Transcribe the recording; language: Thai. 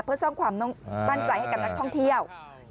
เพื่อสร้างความมั่นใจให้กับนักท่องเที่ยว